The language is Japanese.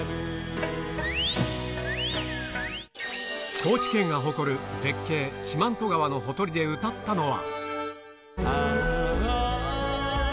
高知県が誇る絶景、四万十川のほとりで歌ったのは。